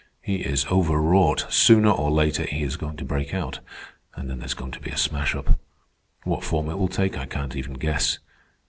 He is overwrought. Sooner or later he is going to break out, and then there's going to be a smash up. What form it will take I can't even guess.